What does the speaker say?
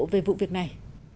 về vụ việc này